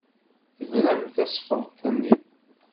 Tebren tasfeḍt-nni.